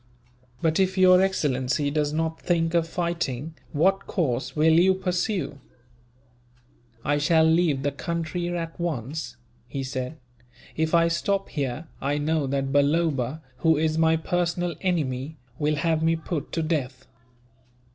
"But if your excellency does not think of fighting, what course will you pursue?" "I shall leave the country, at once," he said. "If I stop here, I know that Balloba, who is my personal enemy, will have me put to death.